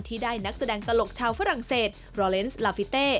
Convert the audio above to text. ที่ได้นักแสดงตลกชาวฝรั่งเศสรอเลนส์ลาฟิเต้